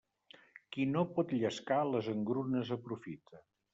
Qui no pot llescar, les engrunes aprofita.